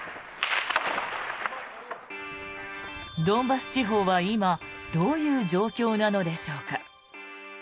ドンバス地方は今どういう状況なのでしょうか。